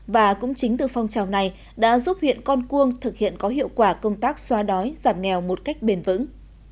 và cũng chính từ phong trào này đã giúp huyện con cuông thực hiện có hiệu quả công tác xóa đói giảm nghèo một cách bền vững